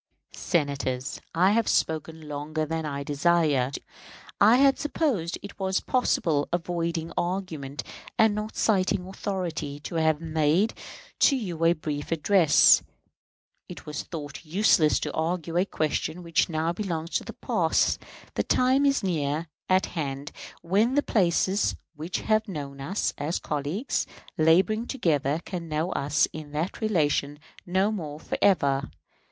Senators, I have spoken longer than I desired. I had supposed it was possible, avoiding argument and not citing authority, to have made to you a brief address. It was thought useless to argue a question which now belongs to the past. The time is near at hand when the places which have known us as colleagues laboring together can know us in that relation no more for ever.